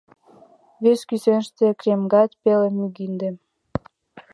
Вес кӱсеныште кремгат пеле мӱгинде.